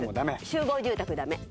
集合住宅ダメ。